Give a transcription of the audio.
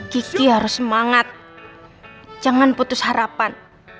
kiki harus semangat jangan putus harapan